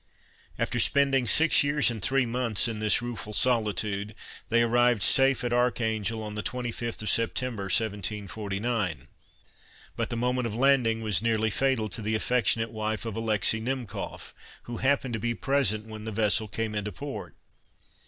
After spending six years and three months in this rueful solitude, they arrived safe at Archangel on the 25th of September, 1749. But the moment of landing was nearly fatal to the affectionate wife of Alexis Himkof, who happened to be present when the vessel came into port.